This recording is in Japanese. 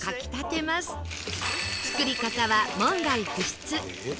作り方は門外不出